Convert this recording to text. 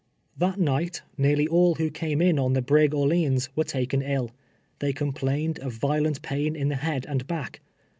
That night, nearly all who came in on the brigDr leans, were taken ill. They complained of violent pain in the head and back.